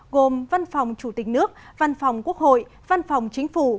gồm văn phòng chủ tịch nước văn phòng quốc hội văn phòng chính phủ